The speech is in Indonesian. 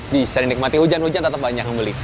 bisa dinikmati hujan hujan tetap banyak membeli